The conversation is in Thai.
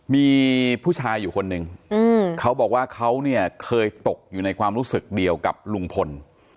มีผู้ชายอยู่คนหนึ่งเขาบอกว่าเขาเนี่ยเคยตกอยู่ในความรู้สึกเดียวกับลุงพล